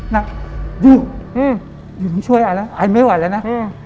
แล้วอยู่อยู่ถึงช่วยอาหารแล้วอาหารไม่ไหวแล้วนะ